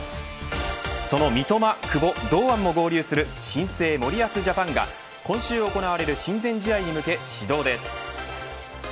その、三笘、久保、堂安も合流する新生森保ジャパンが今週行われる親善試合に向け始動です。